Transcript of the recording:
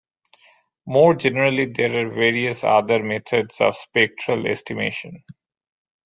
More generally there are various other methods of spectral estimation.